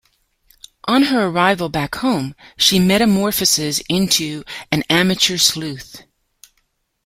On her arrival back home, she metamorphoses into an amateur sleuth.